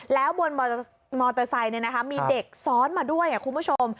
แล้วบนมอเตอร์ไซค์มีเด็กซ้อนมาด้วยคุณผู้ชม